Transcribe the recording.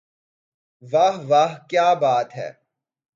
واہ واہ کیا بات ہے